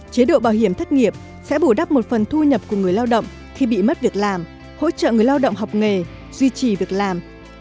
chế độ bảo hiểm thất nghiệp sẽ bù đắp một phần thu nhập của người lao động khi bị mất việc làm hỗ trợ người lao động học nghề duy trì việc làm